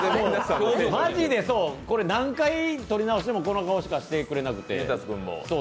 何回撮り返してもこの顔しかしてくれなくて。